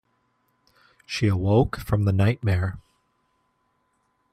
She awoke from the nightmare.